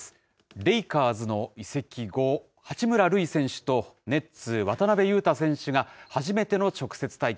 レイカーズの移籍後、八村塁選手とネッツ、渡邊雄太選手が初めての直接対決。